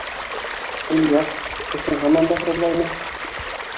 — Ильяс, тешең һаман да һыҙлаймы?